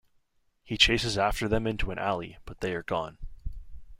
He chases after them into an alley, but they are gone.